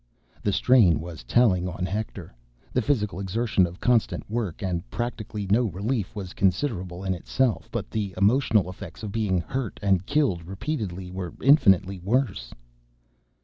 The strain was telling on Hector. The physical exertion of constant work and practically no relief was considerable in itself. But the emotional effects of being "hurt" and "killed" repeatedly were infinitely worse.